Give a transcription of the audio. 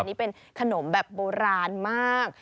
นี่เป็นขนมแบบโบราณมาก